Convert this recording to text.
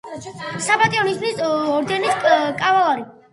საპატიო ნიშნის ორდენის კავალერი.